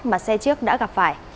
mà xe trước đã gặp phải